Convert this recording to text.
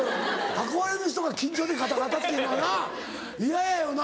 憧れの人が緊張でガタガタっていうのはな嫌やよな。